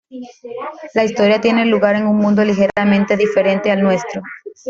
La historia tiene lugar en un mundo ligeramente diferente al nuestro.